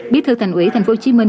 bí thư thành ủy thành phố hồ chí minh